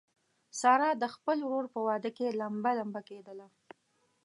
ساره د خپل ورور په واده کې لمبه لمبه کېدله.